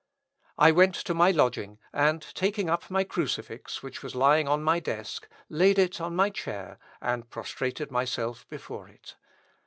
I went to my lodging, and taking up my crucifix, which was lying on my desk, laid it on my chair, and prostrated myself before it.